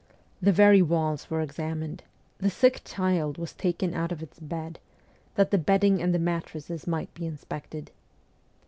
The very walls were examined ; the sick child was taken out of its bed, that the bedding and the mattresses might be inspected.